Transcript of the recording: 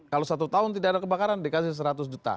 kalau satu tahun tidak ada kebakaran dikasih seratus juta